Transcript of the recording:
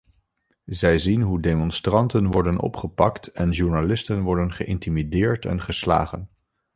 Zij zien hoe demonstranten worden opgepakt en journalisten worden geïntimideerd en geslagen.